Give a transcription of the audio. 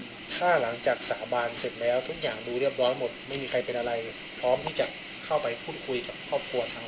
ไม่มีใครเป็นอะไรพร้อมที่จะ